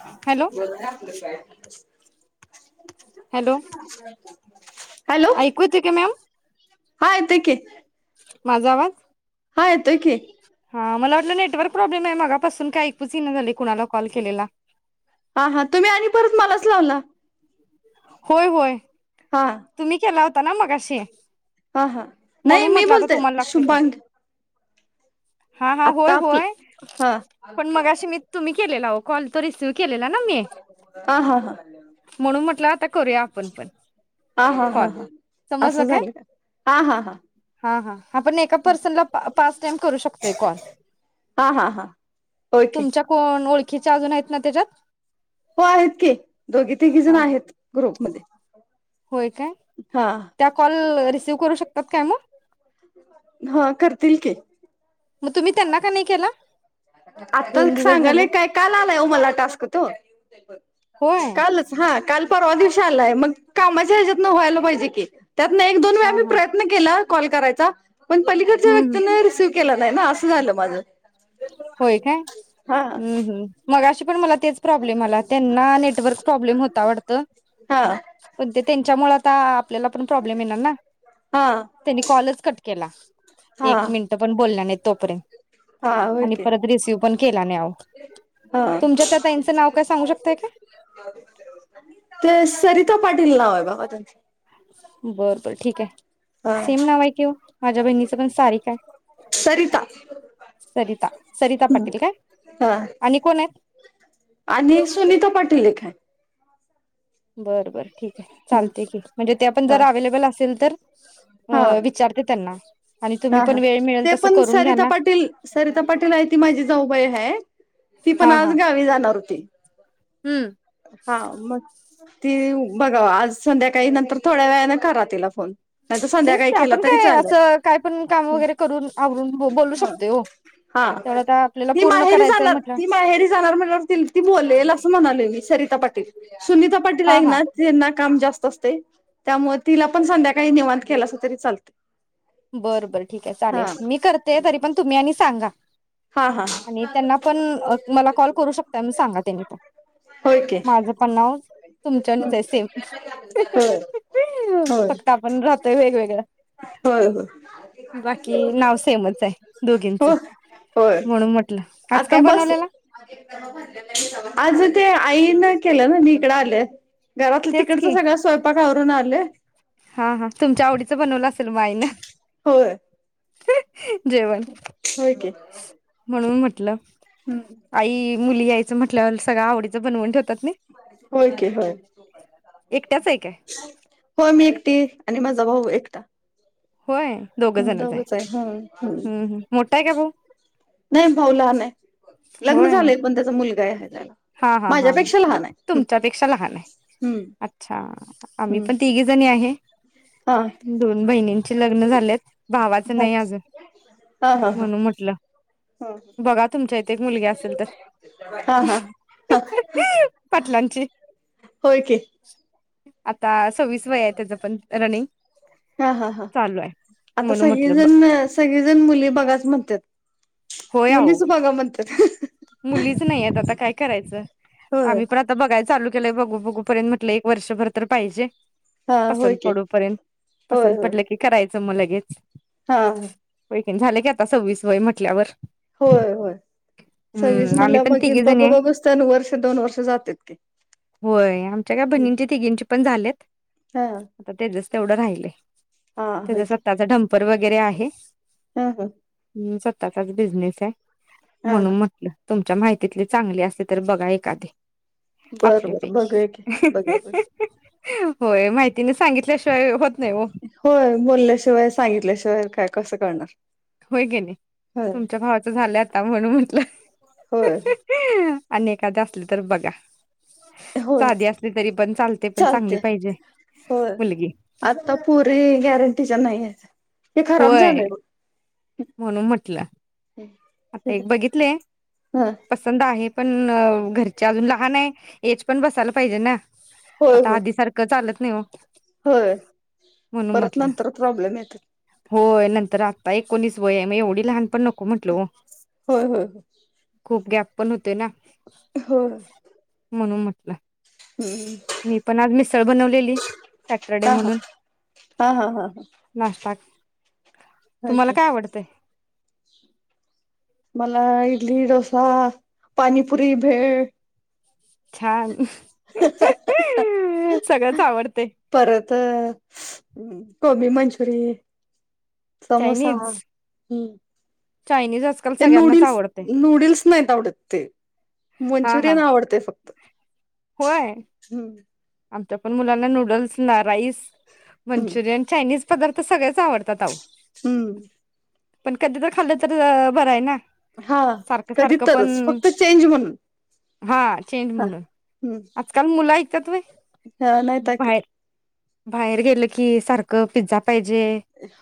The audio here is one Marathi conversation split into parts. ह हॅलो [inaudible] बोल आपलं काय हॅलो हॅलो ऐकू येतय का मॅम. हा यतय की. माझा आवाज हा यतोय की, तुला नेटवर्क प्रॉब्लेम आहे मगापासून काय ऐकूच येना झालय कुणाला कॉल केलेला. हा हा तुम्ही आणि परत मलाच लावला. होय होय. हा तुम्ही केला ना मगाशी हा हा नाही म्हणून मी म्हटलं आता बोलतेय तुम्हाला लागते का शुभांगी. हा हा होय होय हा पण मगाशी मी तुम्ही केलेला ओ. कॉल. तो रिसीव्ह केलेला ना मी हा हा हा म्हणून म्हटलं आता करूया आपण पण हा हा हा कॉल हा असं समजल काय झालं का हा हा हा हा हा आपण एका परसन ला पा पाच टाईम करू शकतोय कॉल हा हा हा ओके तुमच्या कॉल पण ओळखीच्या अजून आहेत ना त्याच्यात हो आहेत की दोघी तिघी जण हा आहेत. ग्रुपमध्ये [unintelligible] होय काय हा त्या कॉल रिसिव करू शकतात. काय म हो करतील की, मग तुम्ही त्यांना का नाही केला आता दोन दिवस सांगाले झालं काय काल आलाय ओ मला टास्क तो होय कालच हा काल परवा दिवशी आलाय मग कामाच्या ह्याच्यातनं व्हायला पाहिजे की. त्यातन एक दोन वेळा हा मी हा प्रयत्न केल. कॉल करायचा पण पलीकडच्या हम्म हम्म व्यक्तींन रिसीव केल नाही ना आसं झालं माझं. होय काय हा हम्म हम्म मगाशी पण मला तेच प्रॉब्लेम आला त्यांना नेटवर्क प्रॉब्लेम होता वाडतं हा पण ते त्यांच्यामूळ ता [unintelligible] आपल्याला पण प्रॉब्लेम येणार ना हा त्यांनी कॉलच कट केला हा एक मिनट पण बोलला नाइत तोपरें हा आणि ओके परत रिसिव पण केला नाई आवो हा तुमच्या त्या ताईंचं नाव काय सांगू शकताय काय? ता पाटील नाव हाय बगा त्यांच. बर बर ठीक ये. हा सेम नाव आहे कि वो माझ्या बहिणीच पण सारीका ये सरिता सरिता सरिता पाटील काय हा आणि कोण येत? आणि सुनीता पाटील एक आहे बर बर. ठीक आहे चालतय की म्हणजे त्या पण हा जरा अवेलेबल असेल तर हा अं विचारते त्यांना आणि हा तुम्ही हा पण वेळ मिळेल ते तसं पण करून घ्या सरिता ना पाटील सरिता पाटील आहे ती माझी जाऊबाई ते हाय. ती पण हा हा आज गावी जाणार होती. हम्म हा मग. तीव बघाव आज संध्याकाळी नंतर थोड्या वेळाने करा तिला फोन. नाही तर तेच संध्याकाळी की केला आपण तरी काय चालेल असं काय पण काम वगैरे करून आवरून बोलू शकतोय हो हा तेवढं आता आपल्याला ती पूर्ण माहेरी करायचंय जाणार म्हटलं ती माहेरी जाणार म्हणाल्यावर [unintelligible] ती बोलेल असं म्हणा ले मी सरिता पाटील. सुनीता पाटील हा आहे हा ना ज्यांना काम जास्त असतय त्यामुळे तिला पण संध्याकाळी निवांत केलासा तरी चालतय. बरं बरं ठीक आहे, चालेल मी करते तरी पण तुम्ही आणि सांगा. हा हा आणि त्यांना पण अ मला कॉल करू शकताय म्हणून सांगा त्यांनी पण होय की माझं पण नाव तुमच्यावाणीच आहे सेम होय होय फक्त आपण राहतोय वेगवेगळं. होय होय बाकी नाव सेमच आहे दोघींच. हो होय म्हणून म्हटलं. आज आता काय बस, बनवलेला आज ते आई न. केलं ना मी इकडं आलेय. घरातलं तेच की तिकडचं सगळा स्वयंपाक. आवरून आले. हा हा तुमच्या आवडीचं बनवलं आसल मग आई न. होय जेवण, होय की हम् म्हणून म्हटल. [unintelligible] आई मुलगी याय म्हटल्यावर सगळ आवडीचं बनवून ठेवत होय की होय, एकट्याच आहे काय होय मी एकटी ये. आणि माझ भाऊ एकटा. होय दोघं जणच दोघच आहे. हम.. हम हम्म हम्म मोठा आहे का भाऊ नाही भाऊ लहान आहे. लग्न होय झालंय पण त्याच मुलग [unintelligible] हा हा हा हा तुमच्यापेक्षा लहान आहे. हम्म अच्छा आम्ही हम्म पण तिघी जणी आहे. हा दोन बहिणींचे लग्न झालेत. भावाच हा नाही अजून हा हा म्हणून म्हटलं, हा बघा तुमच्या इथे एक मुलगी असेल तर हा हा हा पाटलांची. होय की आता आज. हा हा हा चालू आहे. आता म्हणून म्हटलं सगळीजण सगळीजण मुली बघाच म्हणत्यात. मुलीच बगा म्हणत्यात. मुलीचं नाहीत आता काय करायचं, होय. आम्ही पण आता बघाय चालू चालूया बघू बघू पर्यंत म्हटलं एक वर्षभर तर पाहिजे. हा होय पसंत की पडू पर्यंत, होय पसंत होय पडलं की करायचं. चं मग लगेच. हा हा. झालं की, आता सव्वीस वय म्हटल्यावर. होय होय. सव्वीस हम्म आम्ही पण म्हणल्यावर, तिघी जणी बघू आहे बघूस्तवर वर्ष दोन वर्ष जातेत ती. होय आमच्या काय बहिणींची तिघींची पण झालेत. आता तेजच. तेवढं राहिलय. हा होय त्याच्या की स्वतःचा डंपर वगैर वगैरे आहे. हा ह. ह स्वतःचाच बिझनेस हाय. हा हा म्हणून म तुमच्या माहितीतली चांगली असली तर बघा एखादी. बरं बरं आपल्यापैकी. बघूया की बघूया बघ होय माहितीने सांगितल्याशिवाय होत नाही हो होय बोलल्याशिवाय, सांगितल्याशिवाय काय कसं कळणार? होय कणी होय तुमच्या भावाच झालं आता म्हनून म्हटलं. होय. आणि एखाद असल तर बघा. होय साधी असली तरी पण पण चांगली चालते पाहिजे होय मुलगी आता पुरी गॅरंटी गॅरंटीच्या नाही हायत. होय म्हणून म्हटलं आता एक बघितले हा पसंत आहे. पण घरचे अजून लहान आहे एज पण बसायला पाहिजे ना. होय आता होय आधी सारखं चालत [unintelligible] होय म्हणून परत म्हटलं नंतर प्रॉब्लेम येतात. होय नंतर आत्ता एकोणीस वय मग एवढी लहानपण नको म्हटल ओ. होय होय हो. खूप गॅप पण हु ते ना म्हणून मग. ना हम्म मी पण आज मिसळ बनवलेली सॅटरडे हा हा म्हणून. हा हा हा हा पास तुम्हाला ओके काय आवडतंय? मला इडली, डोसा, पानीपुरी, भेळ. छान. सगळंच आवडतय. परत कोबी मंचुरी समोसा चायनीज हम्म. चायनीज आजकाल ते सगळ्यांनाच नूडल्स, आवडते नूडल्स नाहीत आवडत ते. हा हा मंचुरियन आवडतय फक्त. होय. हम्म आमच्या पण मुलांना नूडल्स ना राईस हम्म मंचुरियन, चायनीज पदार्थ सगळेच आवडतात आओ. हम्म. पण कधी तर खाल्लं तर बरं आहे ना. हा सारखं कधी सारखं पण तरच फक्त चेंज म्हणून हा चेंज हा म्हणून हम्म आजकाल मुलं ऐकतात व्हय. बाहेर [unintelligible] बाहेर गेलं की सारखं पिझ्झा. पाहिजे.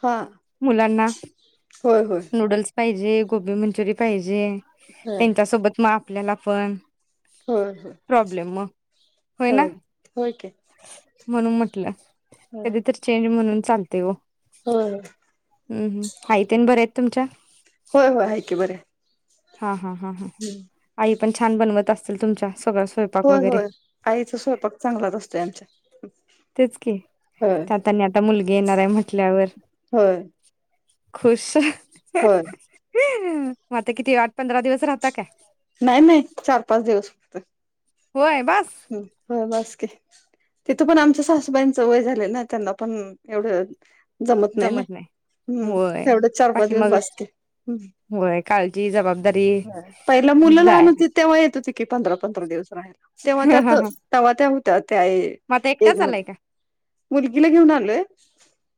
हा मुलांना होय होय नूडल्स पाहिजे गोबी मंचुरी पाहिजे. जे होय त्यांच्या सोबत मा आपल्याला पण होय होय प्रॉब्लेम मग होय हो. ना हो काय. म्हणून म्हटलं. कधी तर चेंज म्हणून चालत. तेओ होय हम्म हम् आई तेन बरेत. तुमच्या? होय होय हाय की बर. हा हा. हा हा आई पण छान बनवत असतील तुमच्या सगळा स्वयंपाक होय वगैरे होय आईचा स्वयंपाक चांगलाच असतोय आमच्या. तेच कीत् होय त्यात आनी आता मुलगी येणार आहे म्हटल्यावर. होय खुश हम. होय मग आता किती वा नाही नाही चार पाच दिवस फक्त. होय बस हम्म हो बस. तिथं पण आमच्या सासूबाईंचं वय झालं ना त्यांना पण एवढं. जमत नाही ना हम्म होय तेवढच चार पाच बाकी दिवस मग बस की ह होय काळजी जबाबदारी पहिला मुलं लहान जायला होती तेव्हा येत होती कि पंधरा पंधरा दिवस राहायला. तेव्हा त्यातव्हा त्या होतात. त्या मग आता एज एकटाच आलाय मध्ये का मुलगीला घेऊन आलोय.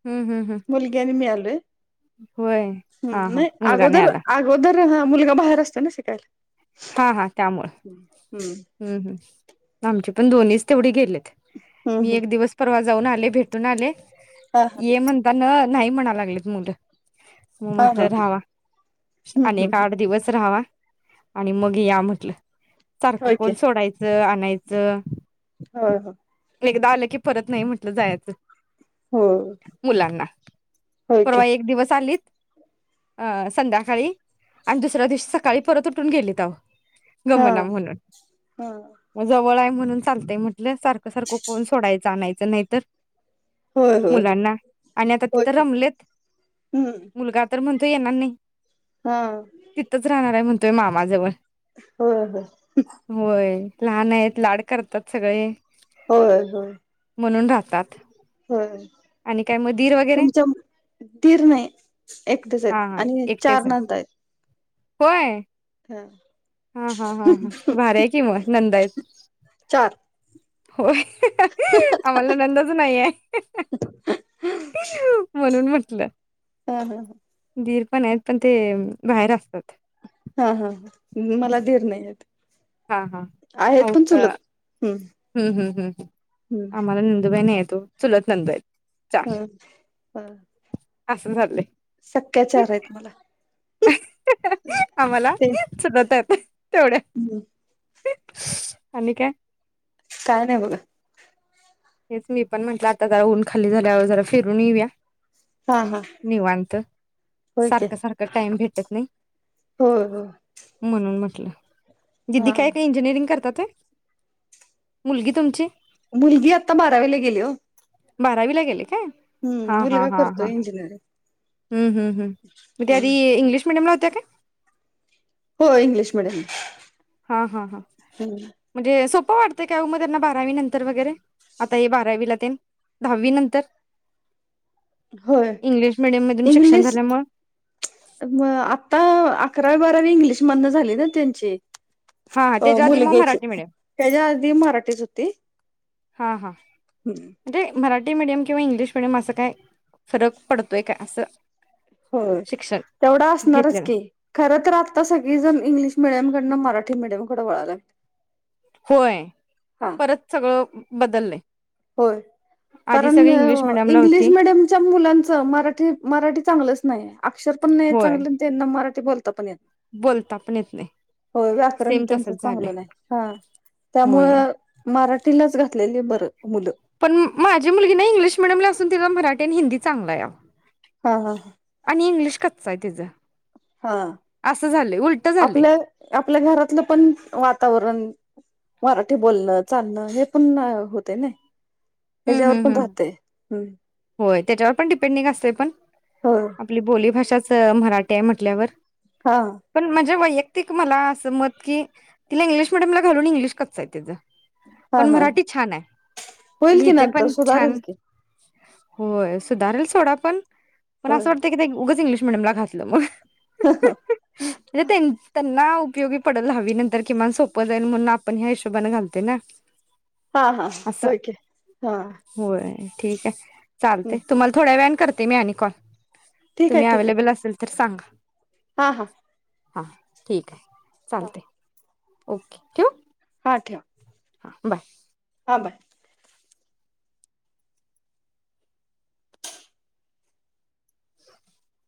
हम्म हम्म हम्म मुलगी अणि मि आलोय. होय हा हम्म हा नाही मुलगा नाही अगोदर आला अगोदर हा मुलगा बाहेर असतो ना शिकायला. हा हा त्यामुळ. हम्म. आमचे पण दोन्हीच तेवढे गेलेत. हम्म मी हम्म एक दिवस परवा जाऊन आले, भेटून आले. हा हा ये म्हणतान नाही म्हनाय लागलेत मुलं. मग हा हा म्हटलं राहावा हम्म आणि एक हम्म आठ दिवस रहावा. आणि मग या म्हटलं. होय की कोण सोडायचं आणायचं. होय हो एकदा आलं की परत नाही म्हटलं जायचं. हो मुलांना होय की परवा एक दिवस आलीत अं संध्याकाळी आणि दुसऱ्या दिवशी सकाळी परत उठून गेलीत आओ. हा गमना म्हणून. हा. मग जवळ हाय म्हणून चालतय म्हटलं. सारखं सारखं कोण सोडायचं आणायचं नाही तर होय होय होय मुलांना आणि आता होय तिथ की रमलेत. हम्म मुलगा तर म्हण तू येणार नाही. हा तिथच राहणार हाय म्हण त्यो मामाजवळ होय होय. होय लहान आहेत, लाड करतात सगळे. होय होय. तात. होय तुमच्या दीर् नाही एकटेच आहेत. हा हा आणि एकटेच चार आहे नंदा आहेत. होय. हा. हा हा हा हा भार आहे कि म नंदा आहेत. चार होय आम्हाला ननंदच नाही आहे. म्हणून म्हंटलं हा हा दीर पण आहेत पण ते बाहेर असतात. हा हा मला दिर नाहीेत. हा हाम् हम्म हम्म् हम्म आम्हाला नंदू बाई नाही. त चुलत नंदा आहेत. चार हम हा असं झालंय सख्याचार आहेत मला. आम्हाला ते [unintelligible] तेवढ. हम्म, आणि काय? काय नाही बघ. हेच मी पण म्हटलं आता जरा ऊन खाली झाल्यावर जरा फिरून येऊया. हा हा निवांत होय की सारख सारख टाइम भेट त नाही. होय हो म्हणून म्हटलं. दिदी हा काय का इंजिनिअरिंग करतात. मुलगी तुमची मुलगी आता बारावीला गेली हो. बारावी ला गेले काय? हम्म मुलगा करतो इंजिनिअरिंग. ह् ह् ह मग आदी इंग्लिश मिडियमला त्या काय हो इंग्लिश मिडियम हा हा हा हम्म, म्हणजे स सोप वाटतय काय वो मग त्यांना बारावी नंतर वगैरे आता हे बारावी ला तेन दहावी नंतर होय इंग्लिश मिडियम मधून शिक्षण इंग्लिश झाल्यामुळे आता. अकरावी बारावी इंग्लिश म्हदन झाली ना त्यांची हा हा अ त्याच्या आधी मग मुलग्याची मराठी मिडियम त्याच्या आधी मराठीच होती. हा हा. हम्म, म्हे मराठी मराठी मीडियम किंवा इंग्लिश मिीडियम असं काय फरक पडतोय का असं. हो शिक्षण तेवढं असणारच घेतलेलं की खर तर आता सगळी जन इंग्लिश मिडियम कडन मराठी मिडियमकड वळालाय. होय. परत सगळं बदललय. होय. कारण मिडियमला इंग्लिश होती मिडयमच्या मुलांचं मराठी मराठी चांगलंच नाही आय अक्षर पण नाही होय चांगलं आणि त्यांना मराठी ते बोलता पण ये बोलता पण येत नाही होय व्याकरण सेम त्यांच तसच झालंय चांगलं नाही. हां, होय त्यामुळं मराठीलाच घात लेले बरं. मुलं पण, माझी मुलगी ना इंग्लिश मिडियमला असून तिला मराठी आणि हिंदीत चांगलं आय आओ. हां-हां-हां इंग्लिश कच्चं आय तिझं हां, झालंय आपलं आपल्या घरातलं पण वातावरण मराठी बोलणं चालणं हे पण होतंय नइ. हम् एज्यावर हम् पण हम् राहतंय. हम् होय, तेज्यावर पण डिपेंडिंग असतंय पण. हो आपली बोली भाषाच च मराठी हाय म्हटल्यावर. हा पण म्हणजे वैय तिक मला असं मत कि तिला इंग्लिश मीडयमला घालून इंग्लिश कच्चं आय तीजं. हां-हां, होईल की लिहिते नंतर पण सुधारेल छान की. होय, सुधारेल सोडा पण पण होय असं वाटतय की ते उगच इंग्लिश मिडम ला घातलं म. [unintelligible] म तेंच त ना उपयोगी पडल हवी नंतर किमान सोपं जाईल म्हणून आपण ह्या हिशोबाने घालतोय ना. हां-हां-हां असं ओय की हां. चालतय, तुम्हाला थोळ् ळ्या वेळाने करते मी आणि कॉल. तुम्ही अवेलेबल असेल तर सांगा. [inaudible] हां-हां हां, ठीक आय. चालतंय. ओके, ठेवू? हां ठेवा. हां बाय. हां बाय. [inaudible]